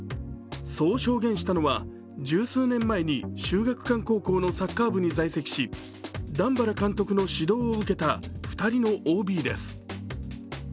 そう証言したのは十数年前に秀岳館高校のサッカー部に所属し、段原監督の指導を受けた２人のＯＢです。